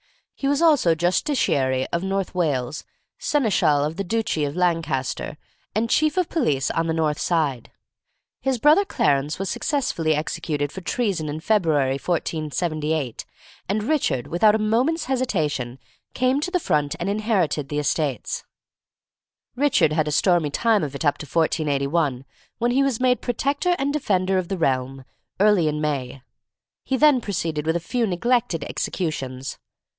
He was also Justiciary of North Wales, Seneschal of the Duchy of Lancaster, and Chief of Police on the North Side. His brother Clarence was successfully executed for treason in February, 1478, and Richard, without a moment's hesitation, came to the front and inherited the estates. [Illustration: RICHARD HAD A STORMY TIME.] Richard had a stormy time of it up to 1481, when he was made "protector and defender of the realm" early in May. He then proceeded with a few neglected executions.